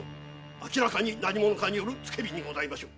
あきらかに何者かによる付け火にございましょう。